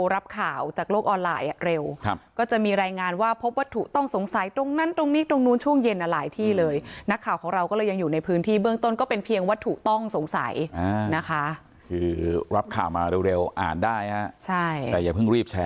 รับข่าวมาเร็วอ่านได้แต่อย่าพึ่งรีบแชร์น่าค่ะ